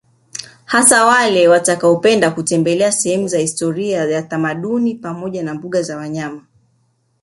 Hasa wale watakaopenda kutembelea sehemu za historia ya utamaduni pamoja na mbuga za wanyama